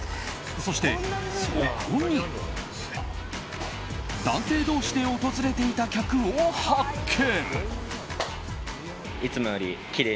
そして、そこに男性同士で訪れていた客を発見。